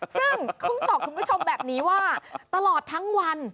ซึ่งต้องตอบคุณผู้ชมแบบนี้ว่าตลอดทั้งวัน